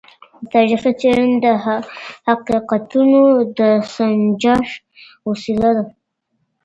تاریخي څېړنې د حقیقتونو د سنجش وسیله ده.